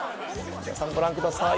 皆さんご覧ください